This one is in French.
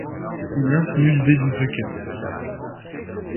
Il insinue l'idée d'une préquelle.